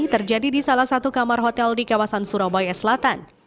terjadi di salah satu kamar hotel di kawasan surabaya selatan